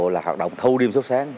là hoạt động thâu đêm sớm sáng